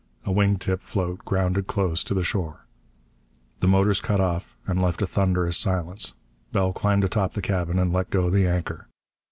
A wing tip float grounded close to the shore. The motors cut off and left a thunderous silence. Bell climbed atop the cabin and let go the anchor.